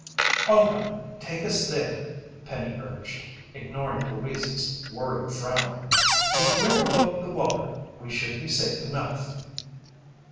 "All right, take us there," Penny urged, ignoring Louise's worried frown. "If we're above the water, we should be safe enough."